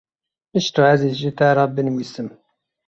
Piştre ez ê ji te re binivîsim.